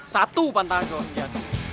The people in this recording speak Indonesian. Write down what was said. satu pantasnya oksja